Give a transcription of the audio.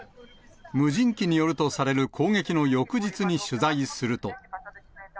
無人機によるとされる攻撃の翌日に取材すると。